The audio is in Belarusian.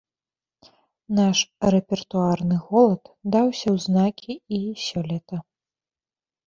Наш рэпертуарны голад даўся ў знакі і сёлета.